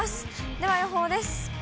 では予報です。